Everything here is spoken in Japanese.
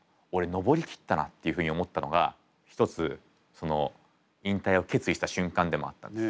登り切ったなっていうふうに思ったのが一つその引退を決意した瞬間でもあったんです。